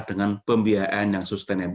dengan pembiayaan yang sustainable